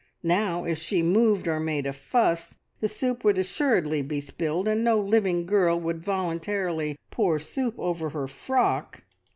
Now, if she moved or made a fuss, the soup would assuredly be spilled, and no living girl would voluntarily pour soup over her frock!